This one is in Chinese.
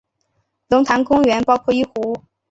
龙潭公园包括一湖。